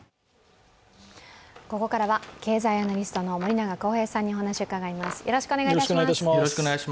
ここからは経済アナリストの森永康平さんにお話を伺います。